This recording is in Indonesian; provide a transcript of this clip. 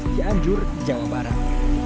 haris janjur jawa barat